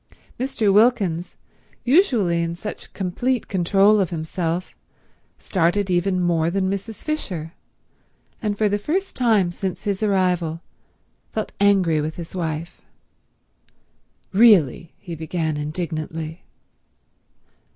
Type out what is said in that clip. Mr. Wilkins, usually in such complete control of himself, started even more than Mrs. Fisher, and for the first time since his arrival felt angry with his wife. "Really—" he began indignantly.